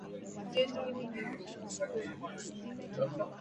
Kundi hilo la wanamgambo lilisema kwenye mtandao wake wa mawasiliano wa telegramu.